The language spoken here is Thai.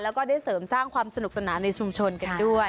แล้วก็ได้เสริมสร้างความสนุกสนานในชุมชนกันด้วย